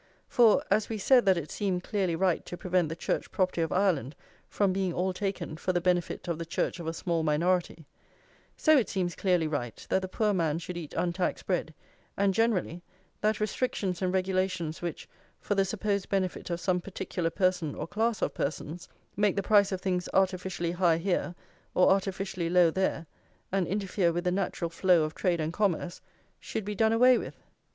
For as we said that it seemed clearly right to prevent the Church property of Ireland from being all taken for the benefit of the Church of a small minority, so it seems clearly right that the poor man should eat untaxed bread, and, generally, that restrictions and regulations which, for the supposed benefit of some particular person or class of persons, make the price of things artificially high here, or artificially low there, and interfere with the natural flow of trade and commerce, should be done away with.